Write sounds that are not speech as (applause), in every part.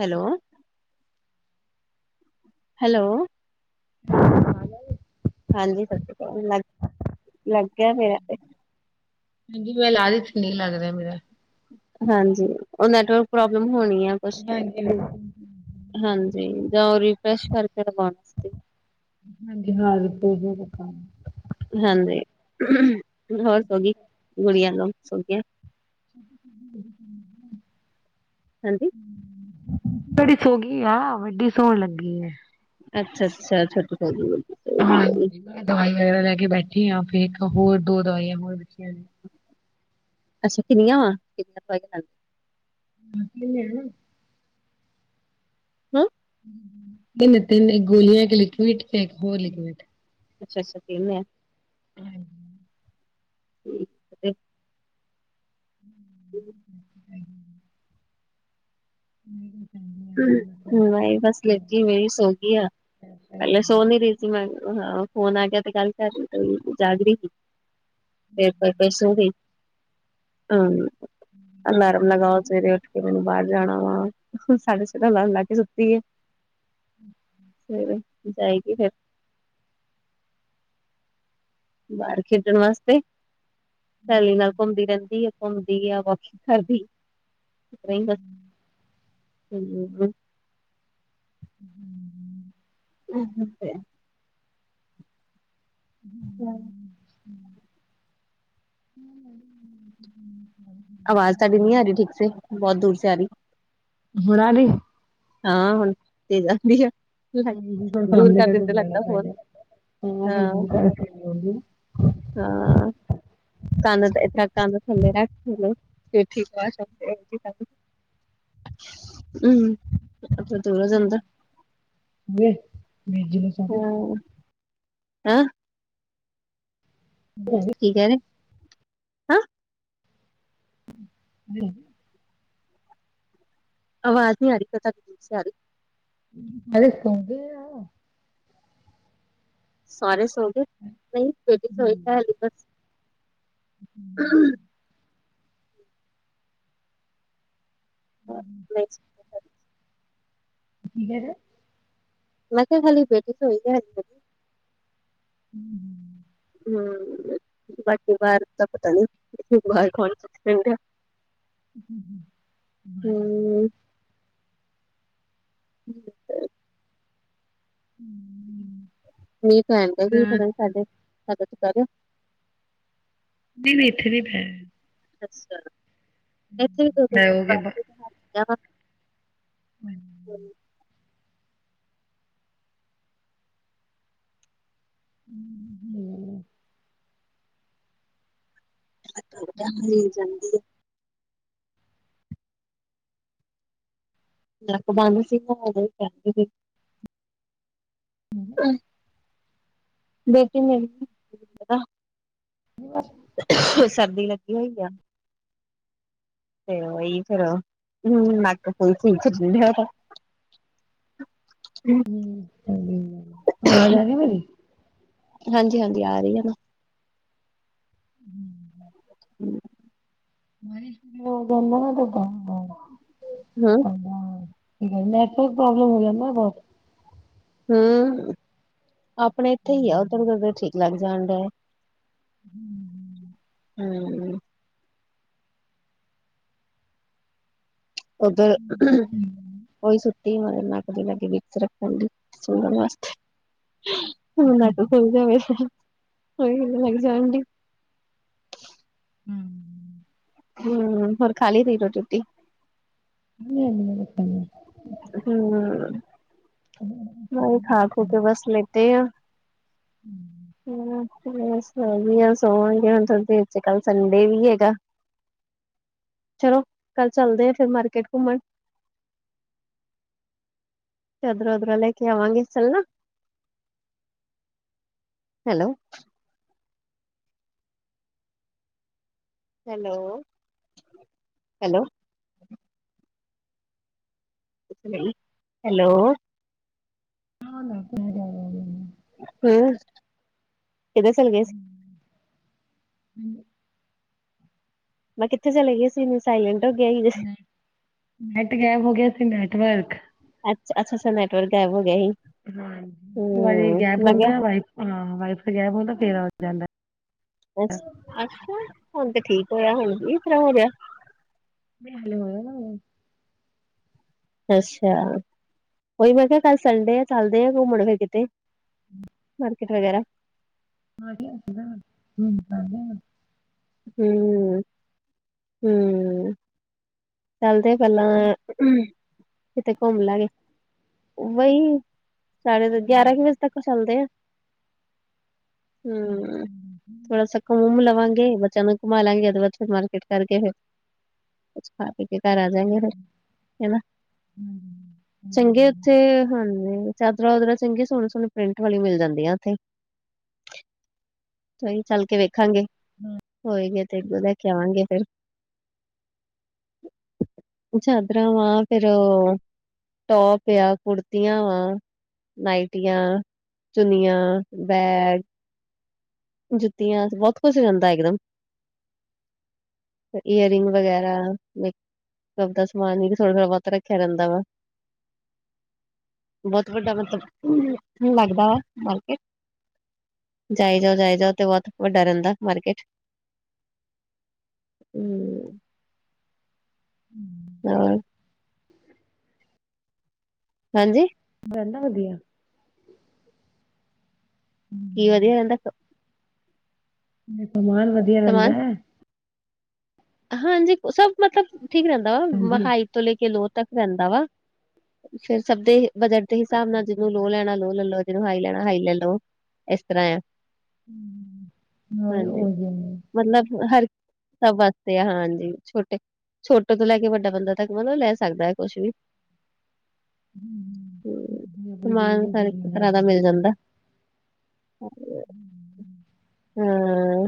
Hello, hello, ਹਾਂ, ਹਾਂਜੀ, ਸਤਿ ਸ਼੍ਰੀ ਅਕਾਲ। (unintelligible) ਹਾਂਜੀ, ਮੈਂ ਲਾ ਰੀ ਸੀ ਨਹੀਂ ਲੱਗ ਰਿਹਾ ਮੇਰਾ। ਹਾਂਜੀ, ਓ ਨੈੱਟਵਰਕ ਪ੍ਰੋਬਲਮ ਹੋਣੀ ਆ ਕੁੱਛ। ਹਾਂਜੀ ਬਿਲਕੁਲ, ਹਾਂਜੀ, ਰੀਫਰੈਸ਼ ਕਰਕੇ ਲਗਾਣੀ ਸੀ। ਹਾਂਜੀ (unintelligible) ਹਾਂਜੀ (unintelligible) (inaudible) ਹਾਂਜੀ, ਬੜੀ ਸੋਗੀ ਆ ਵੱਡੀ ਸੋਣ ਲੱਗੀ ਐ। ਅੱਛਾ ਅੱਛਾ, ਕੋਈ ਸੋ ਗਈ। ਰਹੀ ਹੈ ਜੀ ਹਾਂਜੀ, ਮੈਂ ਦਵਾਈਆਂ ਲੈ ਕੇ ਬੈਠੀ ਆ ਫਿਰ ਇਕ ਹੋਰ ਦੋ ਦਵਾਈ ਲਿਖੀਆਂ ਆ ਨੇ। ਅਸੀਂ ਕਿੰਨੀਆਂ (unintelligible) (unintelligible) ਹੈ, (unintelligible) ਅੱਛਾ ਅੱਛਾ, ਤਿੰਨ ਐ। ਹਾਂਜੀ, ਠੀਕ ਐ। (inaudible) (inaudible) ਹੂੰ ਹੂੰ, ਨੀ ਬਸ ਲੇਟੀ ਪਈ ਸੋਗ਼ੀ ਆ। ਪਹਿਲੇ ਸੋ ਨਹੀਂ ਰੀ ਫੋਨ ਆ ਗਿਆ ਦੀ ਗੱਲ ਕਰ ਰਹੀ ਜਾਗ ਰੀ ਸੀ। ਤੇ ਫਿਰ ਫਿਰ ਸੋਗੀ ਹੂੰ, ਅਲਾਰਮ ਲਗਾਓ ਸਵੇਰੇ ਉੱਠ ਕੇ ਮੈਂਨੇ ਬਾਹਰ ਜਾਣਾ ਵਾ। (unintelligible) ਅਲਾਰਮ ਲਾ ਕੇ ਸੁੱਤੀ ਐ ਸਵੇਰੇ ਜਾਏਗੀ ਫਿਰ। ਬਾਹਰ ਖੇਡਣ ਵਾਸਤੇ (unintelligible) (inaudible) ਹੂੰ, (unintelligible) ਹੂੰ, (inaudible) ਆਵਾਜ਼ ਤੁਹਾਡੀ ਨਹੀਂ ਆ ਰਹੀ ਠੀਕ ਸੇ ਬਹੁਤ ਦੂਰ ਸੇ ਆ ਰੀ। ਹੁਣ ਆ ਰੀ। ਹਾਂ ਹੁਣ (unintelligible) ਆਂਦੀ ਐ। ਫੋਨ ਹਾਂ (inaudible) ਹਾਂ (unintelligible) ਠੀਕ (unintelligible) ਆਪ ਦੂਰ ਦੇ ਅੰਦਰ (unintelligible) ਨੂੰ ਸਾਰੇ ਹਾਂ ਹੈਂ, (unintelligible) ਕੀ ਕਹਿ ਰੇ। ਹਾਂਜੀ, ਆਵਾਜ਼ ਨੀ ਆ ਰੀ (unintelligible) ਅਿਸ ਸਾਰੇ ਸੋ ਗਏ, ਨਹੀਂ ਫੇ ਸੋਈ ਖ ਬਸ ਨਾ ਕੀਠੇ ਮੈਂ ਕਿਹਾ ਖਾਲੀ ਬੇਟੀ ਹੋਈ ਹੈ। ਹੂੰ ਹੂੰ, ਹੂੰ, ਬਾਕੀ ਬਾਹਰ ਤਾਂ ਪਤਾ ਨੀ, ਬਾਹਰ ਕੌਣ ਹਮ-ਹਮ- ਹਮ ਹਮ-ਹਮ- ਨਹੀਂ ਪਹਿਣ ਸਾਡੇ ਸਾਡੇ ਚ ਪਾਦੋ ਨਹੀ ਨੇਠਾ-ਨੇਠੇ ਹੈ ਅੱਛਾ ਇੱਥੇ ਦੋ ਮੈਂ ਦਿਨ ਹੋ ਗਿਆ ਹਮ ਹਮ ਮਿਲ ਜਾਂਦ ਐ ਨੱਕ ਬੰਦ ਸੀਗਾ ਉਦੋਂ ਹੀ ਕਹਿੰਦੇ ਸੀ ਬਚਨ ਲੈਨੀ ਨ ਸਰਦੀ ਲੱਗੀ ਹੋਈ ਆ ਤੇ ਇਹੀ ਫੇਰ, ਹਮ ਨਕ ਹੂਣ ਫਿਰ ਪਜਨ ਠੈਹਾਂ ਦਾ ਹਮ ਚੰਗੀ ਗੱਲ ਆਵਾਜ਼ ਆ ਰਹੀ ਮੇਰੀ ਹਾਂਜੀ-ਹਾਂਜੀ ਆ ਰਹੀ ਹੈ ਨਾ ਹਮ ਹਮ ਬਾਰੀ ਜਾਦਾ ਹਾਂ ਠੀਕ ਨੈਟਵਰਕ ਪ੍ਰੋਬਲਮ ਹੋ ਜਾਂਦਾ ਬਹੁਤ ਹਮ, ਆਪਣੇ ਇੱਥੇ ਹੀ ਆ ਉਧਰ ਕ ਠੀਕ ਲੱਗ ਜਾਣ ਡੈ ਹਮ-ਹਮ ਹਮ ਓਧਰ ਉਹੀ ਸੁੱਤੀ ਨੱਕ ਤੇ ਵਿਕਸ ਰੱਖਣ ਗੀ ਸੋਨ ਵਾਸਤੇ- ਲੈ ਕੇ ਚਲੈ ਜਵਾਂਗੇ, ਓਹੀਨਾ ਲੈਕੇ ਜਾਣ ਡੀ- ਹਮ ਹਮ ਹੋਰ ਖਾਲੀ ਸੀ ਰੋਟੀ-ਰੁਟੀ। ਨਹੀਂ-ਨਹੀਂ ਗਤਮ ਹਮ ਨਹੀਂ, ਖਾ ਕੇ ਬਸ ਲਤੇ ਆ ਹਮ ਹਮੀਆ ਸੋਣਗੇ ਹੁਣ ਸੋਵਾਨਗੀ ਕੱਲ ਸੰਡੇ ਵੀ ਹੈਗਾ ਚਲੋ, ਕੱਲ ਚਲਦੇ ਆ ਫਰ ਮਾਰਕੀਟ ਘੁੰਮਣ ਐਦਰ-ਅੁਦਰ ਲੈਖਿਆ ਆਵਾਂਗੀ ਚਲਨਾ ਹੈਲੋ ਹੈਲੋ, ਹੈਲੋ ਹੈਲੋ ਹਾਂ ਨਾ ਪੂ ਹਮ, ਕਿਦਰ ਚਲੇ ਗਐ ਸੀ ਹਮ ਮੈਂ ਕਿੱਥੇ ਚਲੇ ਗਈ ਸੀਨੂੰ ਸਾਇਲੈਂਟ ਹੋ ਗਿਆ ਸੀ ਨੈਟ ਗੈਬ ਹੋ ਗਿਆ ਤੇ ਨੈਟਵਰਕ। ਅੱਛਾ-ਅੱਛਾੱਛਾ ਨੈਵਰਕ ਗਾਯਬ ਹੋ ਗਿਆ ਸੀ ਹਾਂਜੀ ਵਾਰੀ ਹਮ ਗੈਪ ਮੈਂ ਹੁੰਦਾ ਕਿਹਾ ਵਫ ਹਾਂ ਵਾਈਫਾਈ ਗੈਪ ਹੁੰਦਾ ਫੇਰ ਆ ਜਾਂਦਾ ਅੱਛਾ। ਹੁਣ ਤੇ ਠੀਕ ਹੋਇਆ ਹੁਣ ਜਰ੍ਹਾਂ ਹੋ ਗਿਆ। ਮਲ ਹੋਇਆ ਵੇ। ਅੱਛਾ। ਉਹੀ ਮੈਂ ਕਿਹਾ, ਕੱਲ ਸੰਡੇ ਆ ਚੱਲਦੇ ਆ ਘੁੰਮਣ ਫਿਰ ਕਿਤੇ। ਹਮ। ਮਾਰਕਕੇਟ ਵਗੈਰਾ ਹਾਂ ਸੀਗਾ (unintelligible) ਹਮ ਹਮ -ਹਮ। ਚੱਲਦੇ ਪਹਿਲਾਂ, ਕਿਤੇ ਘੁੰਮ ਲੈਗੇ। ਉਹੀ ਸਾਢੇ ਗਿਆਰਾਂ ਕੁ ਵਜੇ ਤੱਕ ਚੱਲਦੇ ਆ। ਹਮ, ਥੋੜਾ ਸ ਕੰਮ ਲਵਾਂਗੇ। ਬੱਚ ਨੂੰ ਘੁੰਮਾਵਾਂਗੇ। ਅਦਬਦ ਫਿਰ ਮਾਰਕੀਟ ਕਰਕੇ ਫਿਰ ਹਾਂਜੀ। ਘਰ ਆ ਜਾਗੇ ਫਿਰ। ਹਨਾ। ਚੰਗੇ ਉੱਥੇ ਹੁਣ ਚਾਦਰਾਂ ਉਦਰਰਾ ਚੰਗੀਆਂ ਸੋਹਣੇ- ਸੋਹਣੇ ਪ੍ਰਿੰਟ ਵਾਲੀ ਮਿਲ ਜਾਂਦੀਆਂ ਉੱਥੇ। ਉਹੀ ਚੱਲ ਕੇ ਵੇਖਾਂਗੇ। ਹੋਏਗੇ ਤੇ ਇੱਗੋ ਲੈ ਕੇ ਆਵਾਂਗੇ ਫੇਰ। ਚਾਦਰਾਂ ਵਾ ਫਿਰ, ਟੋਪ ਆ, ਕੁੜਤੀਆਂ ਵਾ। ਨਾਈਟੀਆਂ, ਚੁਨੀਆਂ, ਬੈਗ ਜੁੱਤੀਆਂ ਬਹੁਤ ਕੁਸ਼ ਜਾਂਦਾ ਇੱਕਦਮ। ਈਅਰਿੰਗ ਵਗੈਰਾ ਦਾ ਸਮਾਨ ਨ ਥੋੜ੍ਹਾ ਬਹੁਤ ਰੱਖਿਆ ਰਹਿੰਦਾ ਵਾ। ਬਹੁਤ ਵੱਡਾ ਮਤਲਬ, ਲੱਗਦਾ ਵਾ ਮਾਰਕੀਟ। ਜਾਈ ਜਾਓ, ਜਾਈ ਜਾਓ ਤੇ ਬਹੁਤ ਵੱਡਾ ਰਹਿੰਦਾ ਮਾਰਕੀਟ। ਹਮ ਹਾਂ। ਹਾਂਜੀ। ਬ ਨਾ ਵਧੀਆ। ਕੀ ਵਧਿਆ ਦੱਸੋ। ਕਮਾਨ ਵਧੀਆ ਸਮਾਨ ਰਹਿੰਦਾ। ਹਾਂਜੀ। ਸਭ ਮਤਲਬ ਠੀਕ ਰਹਿੰਦਾ ਵਾ। ਮ ਹਾਂਜੀ ਤੋਂ ਲੈ ਕੇ ਲੋਹ ਤੱਕ ਰਹਿੰਦਾ ਵਾ। ਫਿਰ ਸਭ ਦੇ ਬਜਟ ਹਿਸਾਬ ਨਾਲ ਜਿਹਨੂੰ ਲੋ ਲੈਣਾ ਲੋ ਲੈ ਲੋ ਜਿਹਨੂੰ ਹਾਈ ਲੈਣਾ ਹਾਈ ਲੈ ਲੋ। ਇਸ ਤਰ੍ਹਾਂ ਆ। ਹੋ ਹਾਂਜੀ ਉਹੀਦੇ ਮਤਲਬ ਹਰ ਸਭ ਵਾਸਤੇ ਤੇ ਹਾਂਜੀ। ਛੋਟੇ -ਛੋਟੇ ਤੋਂ ਲੈ ਕੇ ਵੱਡਾ ਬੰਦਾ ਤੱਕ ਮਤਲਬ ਲੈ ਸਕਦਾ ਹੈ ਕੁਛ ਵੀ। ਹ ਆਪਣੀ ਸਮਾਨ ਸਰ ਜ਼ਿੰਦਗੀ ਇੱਕ ਜੀਣਾ ਤਰ ਤੇ ਦਾ ਮਿਲ ਜੋ। ਜਾਂਦਾ। ਹਮ। ਹਮ ਹਮ।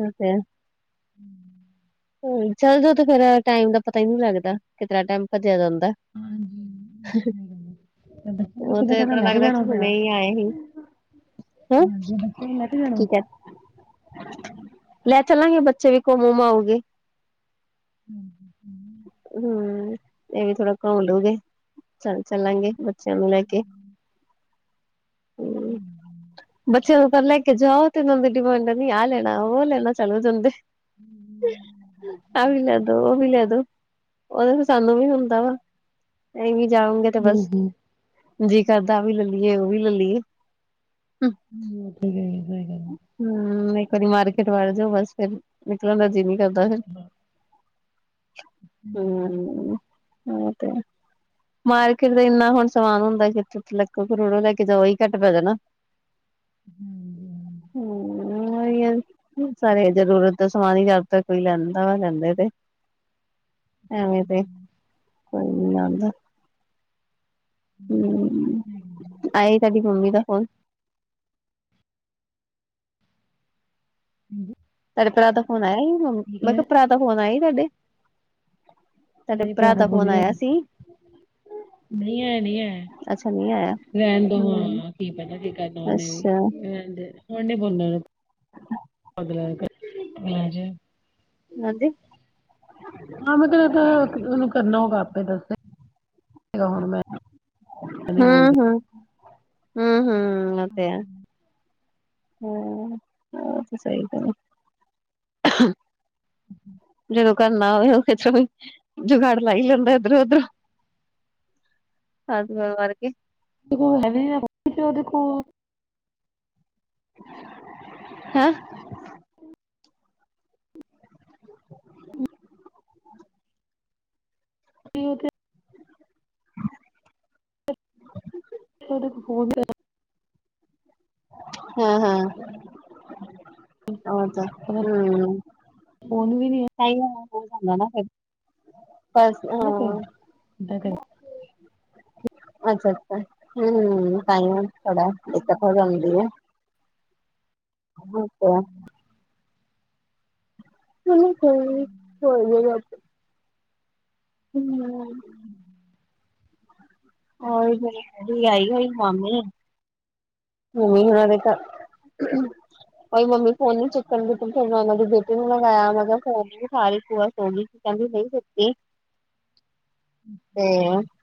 ਅ ਤੇ ਹਮ। ਚੱਲ ਜ ਤੇ ਫੇਰ ਟਾਈਮ ਦਾ ਪਤਾ ਹੀ ਨਹੀਂ ਲੱਗਦਾ ਕਿਤਾਂ ਟਾਈਮ ਭੱਜਿਆ ਜਾਂਦਾ। ਹਾਂਜੀ। ਗ ਉਹ ਤੇ ਤ ਲੱਗਦਾ ਕਿ ਹੁਣੇ ਹੀ ਆਏ ਸੀ। ਹਾਂ ਹਾਂਜੀ ਬੱਚਿਆਂ ਨੂੰ ਲੈ ਕੇ ਜਾਣਾ ਠੀਕ ਹੈ। ਲੈ ਚੱਲਾਂਗੇ ਬੱਚੇ ਵੀ ਕੋਮੋਮਾਓਗੇ। ਹਮ- ਹ- ਹਮ। ਹਮ, ਇਹ ਵੀ ਥੋੜਾ ਘੰਮਲੂਗੇ ਚ' ਚੱਲਾਂਗੇ। ਬੱਚਿਆਂ ਨੂੰ ਲੈ ਕੇ। ਹਮ, ਬੱਚਿਆਂ ਨੂੰ ਫ ਲੈ ਕੇ। ਜਾਾਓ ਤਨਦੇ ਡਿਮਾਂਡ ਨੀ ਆਹ ਲੈਣਾ ਉਹ ਲੈਣਾ ਚਲੋ ਜਾਂਦੇ ਆ ਵੀ ਲੈ ਦੋ ਉਹ ਵੀ ਲਿਆ ਦੋ ਉਹਦੇ ਤੇ ਸਾਨੂੰ ਵੀ ਹੁੰਦਾ ਵਾ ਅਸੀਂ ਵੀ ਜਾਊਗੇ ਤੇ ਹੂੰ ਬਸ ਹੂੰ ਜੀ ਕਰਦਾ ਵੀ ਲੈ ਲਈਏ ਉਹ ਵੀ ਲੈ ਲਈਏ ਹਮਥ ਗ ਸ ਗੱਲ ਹਮ ਇੱਕ ਵਾਰੀ ਮਾਰਕੀਟ ਵੜ ਜਾਓ ਬਸ ਫਿਰ ਨਿਕਲਣ ਦਾ ਜੀ ਨੀ ਕਰਦਾ ਫੇਰ ਹਮ ਹਾਂਜੀ ਉਹ ਤੇ ਮਾਰਕੀਟ ਦਾ ਇੰਨਾ ਹੁਣ ਸਮਾਨ ਹੁੰਦਾ ਕਿ ਲੱਖੋ- ਕਰੋੜੋ ਲੈ ਕੇ ਜਾਓ ਹੀ ਘੱਟ ਪੈ ਜਾਣਾ। ਹਾਂਜੀ, ਹਮ। ਹੀ ਸਾਰੇ ਜ਼ਰੂਰਤ ਦਾ ਸਮਾਨ ਹੀ ਜਦ ਤ ਕੋਈ ਲੈਂਦਾ ਵਾ ਲੈਂਦੇ ਤੇ। ਐਵੇਂ ਤੇ ਕੋਈ ਨੀ ਆਦਾ। ਹਮ ਆਏ ਤੁਹਾਡੀ ਮੰਮੀ ਦਾ ਫੋਨ ਹਾਂਜੀ ਸਾਹਾਡੇ ਭਰਾ ਦਾ ਫੋਨ ਆਇਆ ਸੀ ਮੈਂ ਕਿਹਾ ਭਰਾ ਦਾ ਫੋਨ ਆਇ ਸੀ ਤੁਹਾਡੇ ਤੁਹਾਡੇ ਬੜੇ ਭਰਾ ਪਿਆਦਾ ਦਾ ਬੋਲ ਫੋਨ ਆਇਆ ਸੀ ਨਹੀਂ ਹੈ ਨੀ ਹੈ ਅੱਛਾ ਨਹੀਂ ਆਇਆ ਰਹਿਣ ਦ ਹੂੰ ਹਾਂ ਕੀ ਪਹਿਦਾ ਕੀ ਕਰਨਾ ਉਹਨੇ ਵੀ ਅੱਛਾ ਰਹਿਣ ਹੁਣ ਨ ਬੋਣ ਅਗਲਾ ਮਜੇ ਹਾਂਜੀ ਹਾਂ ਮੈਂ ਤੇ ਉਹਨੂੰ ਕਰਨਾ ਹੋਊਗਾ ਆਪੇ ਦੱਸੇ ਗਾ ਹੁਣ ਮੈਂ ਨੀ ਬੋਲਦੀ ਹਮ ਹਮ ਹਮ ਹਮ ਮ ਤੇ ਹਮ ਉਹ ਤੇ ਸਹੀ ਗੱਲ ਹਮ ਜਦੋਂ ਕਰਰਨਾ ਹੋਵੇ ਉਹ ਕਿਰੋਂ ਜੁਗਾੜ ਲਾਈ ਜਾਂਦਾ ਇੱਧਰੋਂ ਉੱਧਰੋਂ ਸਜ ਹੋ ਵਰਗੀ ਦੇਖੋ ਦੇਖੋ ਹਮ ਵੀ ਉੱਥੇ ਉਹ ਫੋਨ ਹਮ ਹਮ ਹੋ ਤਾਂ ਫੋਨ ਫੋਨ ਵੀ ਨੀ ਹਮਹੀ ਹੋ ਜਾਂਦਾ ਨਾ ਫਿਰ ਬਸ ਹਾਂ ਦਾ ਅੱਛਾ ਅੱਛਾ ਹਮ ਤਾਂਹੀ ਥੋੜਾ ਦਿੱਕਤ ਹੋ ਜਾਂਉਦੀ ਹੈ ਅੱਛਾ ਹ ਹੋ ਜ ਹਮ ਹੋਹੀ ਫੇਰ ਆਈ ਹੋਈ ਮਾਮੀ ਨ ਮਨ ਨਾ ਬ ਮਈ ਮ ਮੰਮਮੀ ਫੋਨ ਨੂੰ ਚਿਕਕਨ ਭ ਫ ਮੀ ਭੇਟੀ ਨੂੰ ਮ ਗਾਇਆ ਮ ਫੋਨ ਸਾਰੀ ਖੂ ਆ ਸੋਲੀ ਕਹਦੀ ਨਹੀਂ ਸਕਤੀ ਅਮ